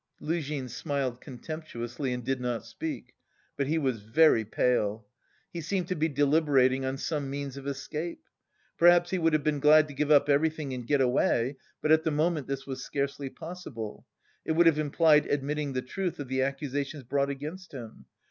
Luzhin smiled contemptuously and did not speak. But he was very pale. He seemed to be deliberating on some means of escape. Perhaps he would have been glad to give up everything and get away, but at the moment this was scarcely possible. It would have implied admitting the truth of the accusations brought against him.